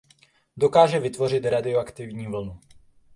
Dokáže vytvořit radioaktivní vlnu.